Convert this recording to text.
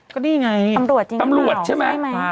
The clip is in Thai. ก็นี่ไงตำรวจใช่ไหม